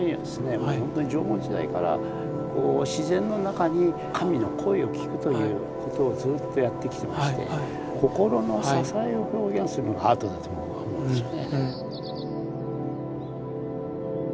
もうほんとに縄文時代から自然の中に神の声を聴くということをずっとやってきてまして心の支えを表現するのがアートだと僕は思うんですよね。